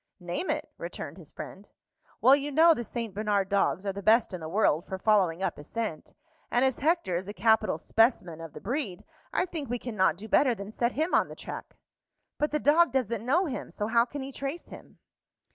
"Name it," returned his friend. "Well, you know the St. Bernard dogs are the best in the world for following up a scent; and as Hector is a capital specimen of the breed, I think we can not do better than set him on the track." "But the dog doesn't know him, so how can he trace him?"